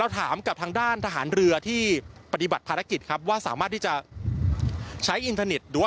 ที่ปฏิบัติภารกิจครับว่าสามารถที่จะใช้อินเทอร์หรือว่า